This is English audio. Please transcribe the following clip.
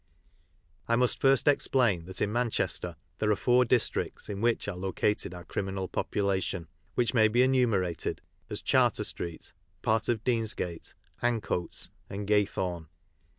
I must first explain that in Manchester there are four districts in which are located our criminal pop ulation, which may be enumerated as Charter street, Eart of Deansgate, Ancoats, and Gaythorne.